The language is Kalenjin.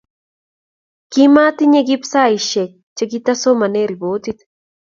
kimatinyei Kip saishek chegitasomane ripotit